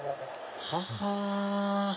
ははあ！